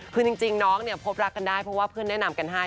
คือจริงน้องเนี่ยพบรักกันได้เพราะว่าเพื่อนแนะนำกันให้